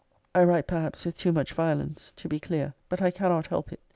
>>> I write, perhaps, with too much violence, to be clear, but I cannot help it.